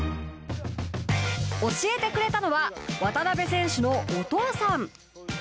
教えてくれたのは渡邊選手のお父さん。